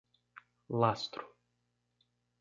Lastro